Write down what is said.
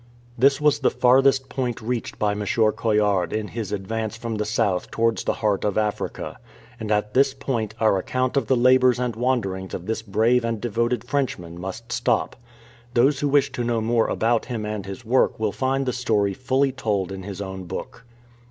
This was the farthest point reached by M. Coillard in his advance from the south towards the heart of Africa ; and at this point our account of the labours and wanderings of this brave and devoted Frenchman must stop. Those who wish to know more about him and his work will find the story fully told in his own book.